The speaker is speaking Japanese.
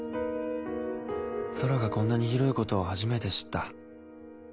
空がこんなに広いことを初めて知った。